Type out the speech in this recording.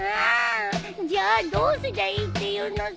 じゃあどうすりゃいいっていうのさ！